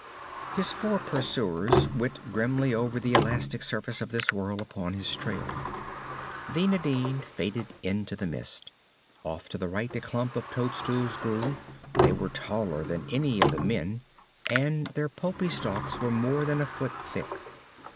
His four pursuers went grimly over the elastic surface of this world upon his trail. The Nadine faded into the mist. Off to the right a clump of toadstools grew. They were taller than any of the men, and their pulpy stalks were more than a foot thick.